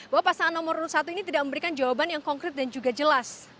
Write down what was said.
bahwa pasangan nomor urut satu ini tidak memberikan jawaban yang konkret dan juga jelas